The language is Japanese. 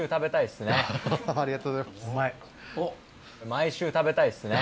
毎週食べたいですね。